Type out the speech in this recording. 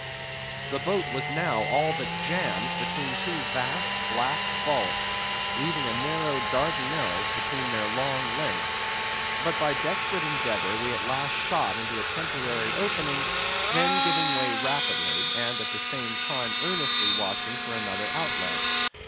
The boat was now all but jammed between two vast black bulks, leaving a narrow Dardanelles between their long lengths. But by desperate endeavor we at last shot into a temporary opening; then giving way rapidly, and at the same time earnestly watching for another outlet.